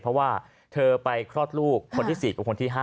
เพราะว่าเธอไปคลอดลูกคนที่๔กับคนที่๕